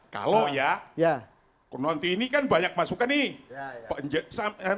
kalau ya nanti ini kan banyak masukan nih